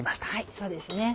そうですね。